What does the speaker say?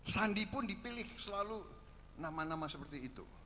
sandi pun dipilih selalu nama nama seperti itu